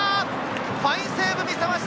ファインセーブを見せました！